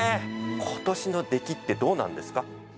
今年の出来ってどうなんですか？